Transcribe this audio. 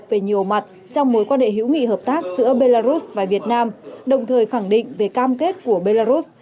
về nhiều mặt trong mối quan hệ hữu nghị hợp tác giữa belarus và việt nam đồng thời khẳng định về cam kết của belarus